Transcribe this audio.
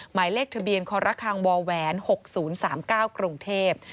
หมายเลขทะเบียนครคว๖๐๓๙กรุงเทพฯ